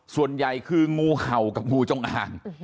ส่วนใหญ่คืองูเห่ากับงูจงอ่าง